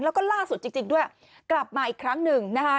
แล้วก็ล่าสุดจริงด้วยกลับมาอีกครั้งหนึ่งนะคะ